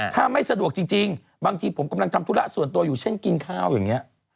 ถ้าไม่สะดวกจริงบางทีผมกำลังทำธุระส่วนตัวอยู่เช่นกินข้าวอย่างนี้